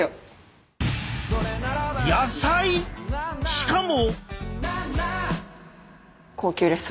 しかも！